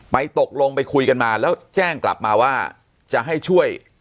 ตกลงไปคุยกันมาแล้วแจ้งกลับมาว่าจะให้ช่วย